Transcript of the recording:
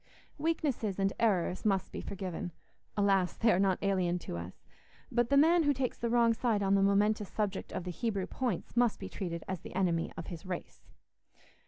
Weaknesses and errors must be forgiven—alas! they are not alien to us—but the man who takes the wrong side on the momentous subject of the Hebrew points must be treated as the enemy of his race.